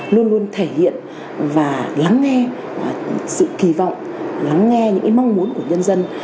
luôn luôn thể hiện và lắng nghe sự kỳ vọng lắng nghe những mong muốn của nhân dân